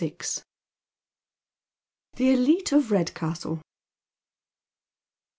THE ELITB OF REDCASTLa.